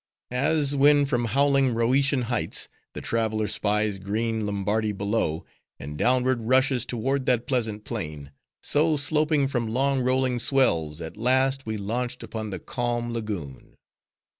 As when from howling Rhoetian heights, the traveler spies green Lombardy below, and downward rushes toward that pleasant plain; so, sloping from long rolling swells, at last we launched upon the calm lagoon.